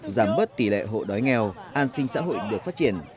giảm bớt tỷ lệ hộ đói nghèo an sinh xã hội được phát triển